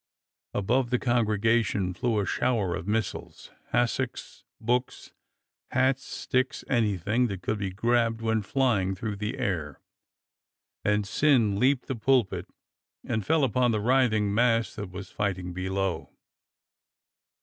Above the congregation flew a shower of missiles — hassocks, books, hats, sticks, anything that could be grabbed went flying through the air, and Syn leaped the pulpit and fell upon the writhing mass that was fighting below.